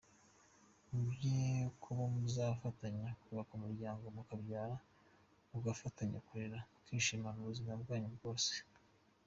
Muge ku bo muzafatanya kubaka umuryango, mukabyara mugafatanya kurera mukishimana ubuzima bwanyu bwose.